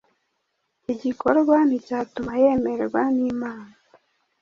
iki gikorwa nticyatuma yemerwa n’imana.